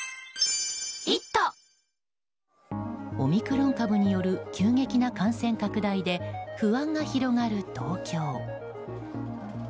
オミクロン株による急激な感染拡大で不安が広がる東京。